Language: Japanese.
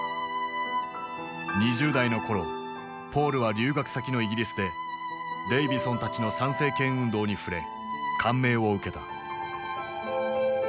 ２０代の頃ポールは留学先のイギリスでデイヴィソンたちの参政権運動に触れ感銘を受けた。